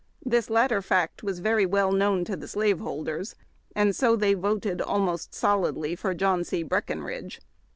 This latter fact was very well known to the slave holders, and so the}^ voted almost solidly for John C. Breckenridge.